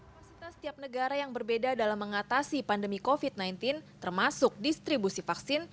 fasilitas setiap negara yang berbeda dalam mengatasi pandemi covid sembilan belas termasuk distribusi vaksin